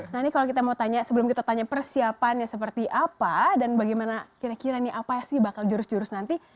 nah ini kalau kita mau tanya sebelum kita tanya persiapannya seperti apa dan bagaimana kira kira nih apa sih bakal jurus jurus nanti